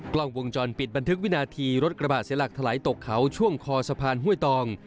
กล้องวงจรปิดบันทึกวินาทีรถกระบะเสียหลักถลายตกเขาช่วงคอสะพานห้วยตอง